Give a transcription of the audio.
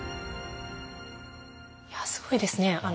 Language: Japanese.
いやすごいですね。